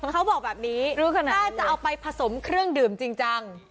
เขาบอกแบบนี้รู้ขนาดถ้าจะเอาไปผสมเครื่องดื่มจริงจัง